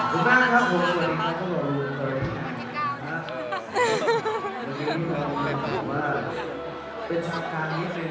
หรือทุกคนละครก็จะมีการสร้าง